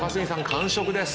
完食です。